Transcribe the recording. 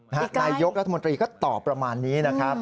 นายยกรัฐมนตรีก็ตอบประมาณนี้